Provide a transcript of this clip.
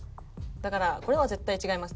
だからこれは絶対違いますね。